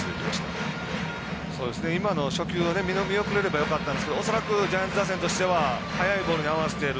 今の初球見送れればよかったんですけど恐らくジャイアンツ打線としたら速いボールに合わせている。